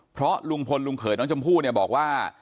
เพราะลุงพลลุงเขยน้องชมพู่เนี่ยบอกว่า